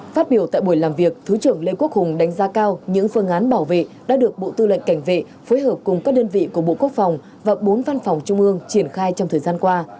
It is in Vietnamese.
phát biểu tại buổi làm việc thứ trưởng lê quốc hùng đánh giá cao những phương án bảo vệ đã được bộ tư lệnh cảnh vệ phối hợp cùng các đơn vị của bộ quốc phòng và bốn văn phòng trung ương triển khai trong thời gian qua